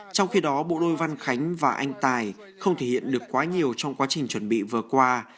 trong khi đó bộ đôi văn khánh và anh tài không thể hiện được quá nhiều trong quá trình chuẩn bị vừa qua